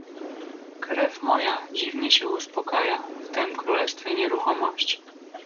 "Krew moja dziwnie się uspokaja w tem królestwie nieruchomości."